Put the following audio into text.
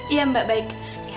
iya mbak baik